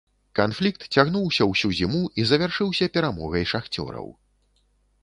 Канфлікт цягнуўся ўсю зіму і завяршыўся перамогай шахцёраў.